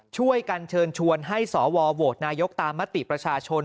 ช่วยกันเชิญชวนให้สวโหวตนายกตามมติประชาชน